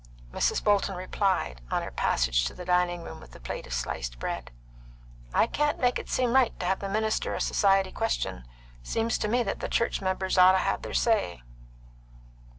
Mrs. Bolton replied, on her passage to the dining room with the plate of sliced bread: "I can't make it seem right to have the minister a Society question. Seems to me that the church members'd ought have the say."